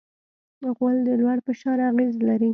غول د لوړ فشار اغېز لري.